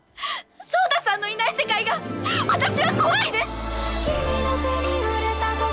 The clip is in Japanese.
そうたさんのいない世界が、私は怖いです。